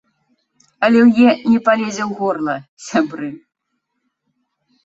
Аліўе не палезе ў горла, сябры.